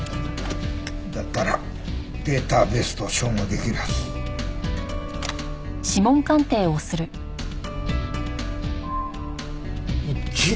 だったらデータベースと照合できるはず。一致！